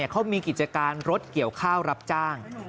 เขามีกิจการรถเกี่ยวข้าวรับจ้าง